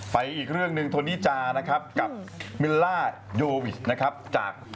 อีกเรื่องหนึ่งโทนิจานะครับกับมิลล่าโยวิชนะครับจาก